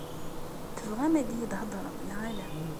Tebɣam ad iyi-d-hedrem, neɣ ala?